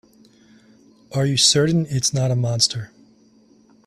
Are you certain it's not a monster?